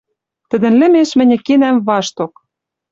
Тӹдӹн лӹмеш мӹньӹ кенӓм вашток